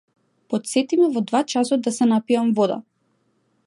Потсети ме во два часот да се напијам вода.